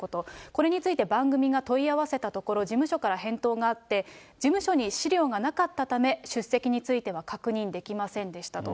これについて番組が問い合わせたところ、事務所から返答があって、事務所に資料がなかったため、出席については確認できませんでしたと。